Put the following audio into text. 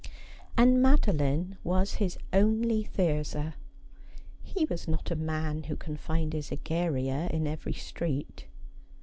And Madeline was his only Thyrza. He was not a man who can find his Egeria in every street.